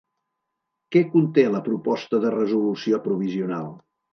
Què conté la proposta de resolució provisional?